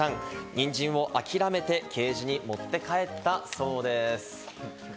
ニンジンを諦めてケージに持って帰ったそうです。